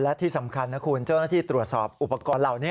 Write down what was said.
และที่สำคัญนะคุณเจ้าหน้าที่ตรวจสอบอุปกรณ์เหล่านี้